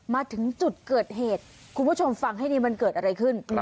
มาถึงจุดเกิดเหตุคุณผู้ชมฟังให้ดีมันเกิดอะไรขึ้น